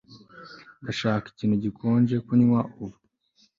Ndashaka ikintu gikonje kunywa ubu